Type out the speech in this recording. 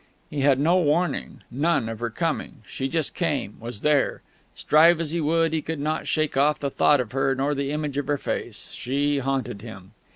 He had no warning, none, of her coming; she just came was there. Strive as he would, he could not shake off the thought of her nor the image of her face. She haunted him.